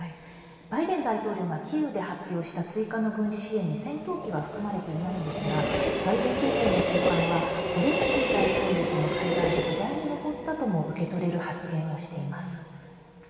バイデン大統領が、キーウで発表した追加の軍事支援に戦闘機は含まれていないんですがバイデン政権の高官はゼレンスキー大統領との会談で議題に上ったとも受け取れる発言をしています。